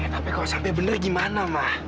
tapi kalau sampai benar gimana mah